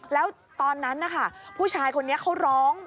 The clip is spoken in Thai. แล้วตอนนั้นนะคะผู้ชายคนนี้เขาร้อง